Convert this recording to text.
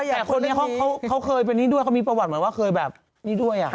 แต่คนนี้เค้าเคยเป็นนี่ด้วยเค้ามีประวัติเหมือนว่าเคยแบบนี่ด้วยอะ